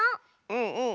うんうん！